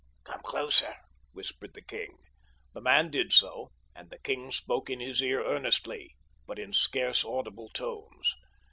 "Come closer," whispered the king. The man did so, and the king spoke in his ear earnestly, but in scarce audible tones.